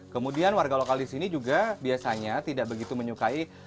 kemudian warga lokal di sini juga biasanya tidak begitu menyukai